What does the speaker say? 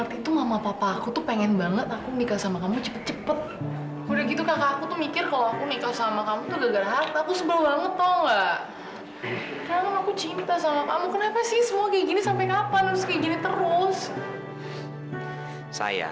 ditimah tante fresa